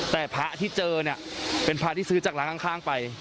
แต่พระที่เจอเนี่ยเป็นพระที่ซื้อจากร้านข้างไป